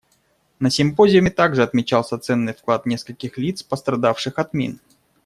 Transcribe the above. На симпозиуме также отмечался ценный вклад нескольких лиц, пострадавших от мин.